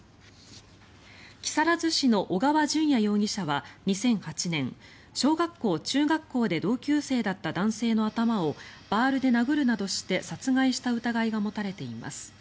木更津市の小川順也容疑者は２００８年小学校、中学校で同級生だった男性の頭をバールで殴るなどして殺害した疑いが持たれています。